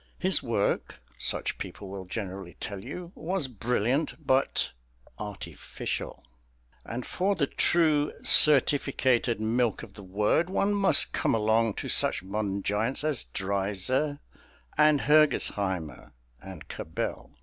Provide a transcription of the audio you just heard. His work (such people will generally tell you) was brilliant but "artificial" ... and for the true certificated milk of the word one must come along to such modern giants as Dreiser and Hergesheimer and Cabell.